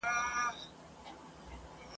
په څه لږو الوتو سو په ځان ستړی !.